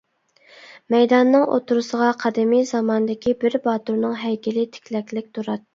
مەيداننىڭ ئوتتۇرىسىغا قەدىمىي زاماندىكى بىر باتۇرنىڭ ھەيكىلى تىكلەكلىك تۇراتتى.